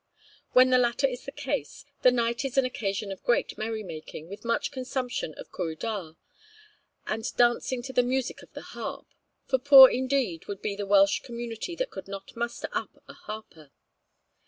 When the latter is the case, the night is an occasion of great merrymaking, with much consumption of cwrw da, and dancing to the music of the harp, for poor indeed would be the Welsh community that could not muster up a harper.